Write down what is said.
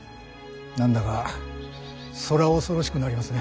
何だか空恐ろしくなりますね。